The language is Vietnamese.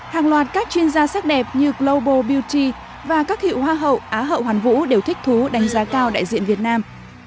hàng loạt các chuyên gia sắc đẹp như global beauty và các hiệu hoa hậu á hậu hoàn vũ đều thích thú đánh giá cao đại diện việt nam